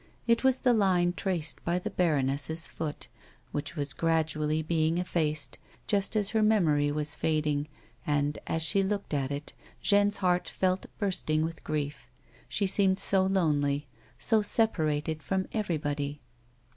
It was the line traced by the baroness's foot, which was gradually being effaced, just as her memory was fading, and, as she looked at it, Jeanne's heart felt bursting with grief ; she seemed so lonely, so separated from everybody.